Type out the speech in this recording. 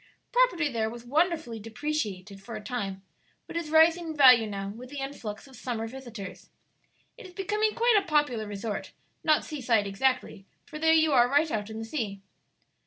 Property there was wonderfully depreciated for a time, but is rising in value now with the influx of summer visitors. It is becoming quite a popular resort not sea side exactly, for there you are right out in the sea."